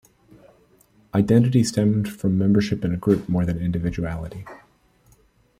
Identity stemmed from membership in a group more than individuality.